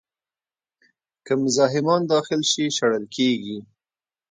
که مزاحمان داخل شي، شړل کېږي.